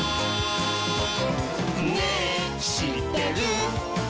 「ねぇしってる？」